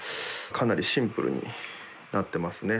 かなりシンプルになってますね。